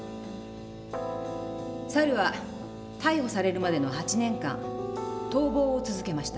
猿は逮捕されるまでの８年間逃亡を続けました。